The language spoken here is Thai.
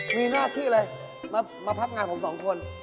มีหน้าที่อะไรมาพักงานผมสองคน